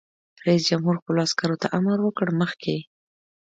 رئیس جمهور خپلو عسکرو ته امر وکړ؛ مخکې!